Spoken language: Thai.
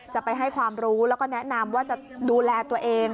จะไปให้ความรู้แล้วก็แนะนำว่าจะดูแลตัวเอง